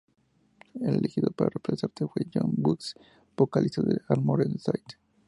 El elegido para reemplazarle fue John Bush, vocalista de Armored Saint.